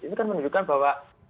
ini kan menunjukkan bahwa